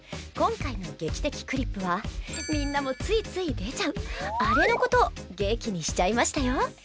今回の「劇的クリップ」はみんなもついつい出ちゃうアレのことを劇にしちゃいましたよ。